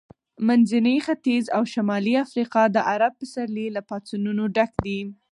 منځنی ختیځ او شمالي افریقا د عرب پسرلي له پاڅونونو ډک دي.